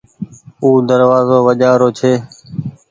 او دروآزو وجهآ رو ڇي۔